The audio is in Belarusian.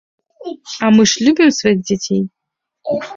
А мы ж любім сваіх дзяцей!